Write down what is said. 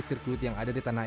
sirkuit yang ada di tanah